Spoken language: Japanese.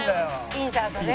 「インサートね」